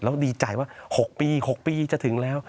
แล้วดีใจว่า๖ปี๖ปีจะถึงแล้ว